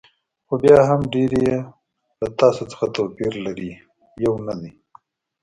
خو بیا هم ډېری یې له تاسو څخه توپیر سره لري، یو نه دي.